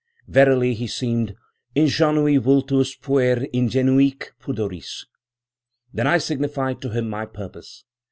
Verily he seemed 'ingenui vultus puer ingenuique pudoris.' Then I signified to him my purpose.